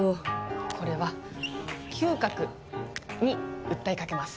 これは嗅覚に訴えかけます。